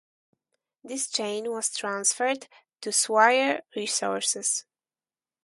This chain was transferred to Swire Resources.